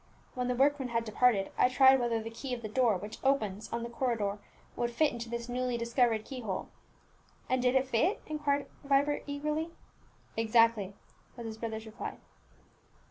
When the workmen had departed, I tried whether the key of the door which opens on the corridor would fit into this newly discovered key hole." "And did it fit it?" inquired Vibert eagerly. "Exactly," was his brother's reply.